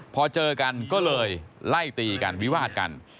พอเจอกันก็เลยไล่ตีกันวิวาดกัน